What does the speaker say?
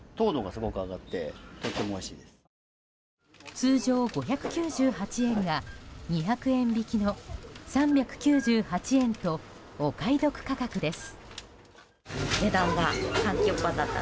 通常５９８円が２００円引きの３９８円とお買い得価格です。